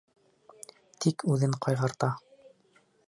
Тик үҙен ҡайғырта!